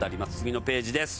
次のページです。